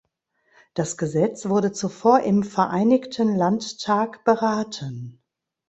Das Gesetz wurde zuvor im Vereinigten Landtag beraten.